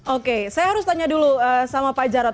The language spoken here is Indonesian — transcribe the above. oke saya harus tanya dulu sama pak jarod